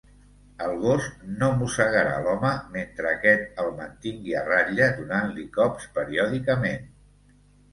El gos no mossegarà l'home mentre aquest el mantingui a ratlla donant-li cops periòdicament.